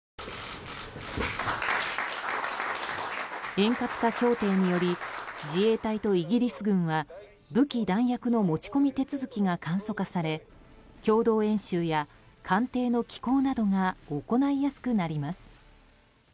円滑化協定により自衛隊とイギリス軍は武器・弾薬の持ち込み手続きが簡素化され共同演習や艦艇の寄港などが行いやすくなります。